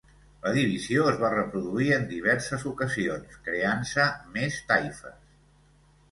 La divisió es va reproduir en diverses ocasions, creant-se més taifes.